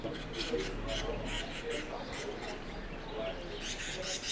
ya waasi katika eneo linalo dhaniwa kuwa la western sahara